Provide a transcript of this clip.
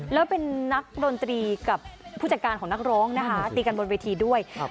แล้วเป็นนักดนตรีกับผู้จัดการของนักร้องนะคะตีกันบนเวทีด้วย